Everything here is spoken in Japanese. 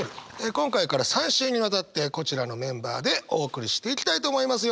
今回から３週にわたってこちらのメンバーでお送りしていきたいと思います。